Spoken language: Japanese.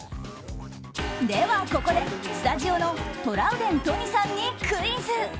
では、ここでスタジオのトラウデン都仁さんにクイズ。